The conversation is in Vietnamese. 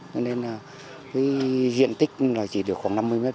cho nên là cái diện tích là chỉ được khoảng năm mươi m hai